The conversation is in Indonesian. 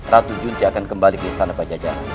ratu junti akan kembali ke istana pajajah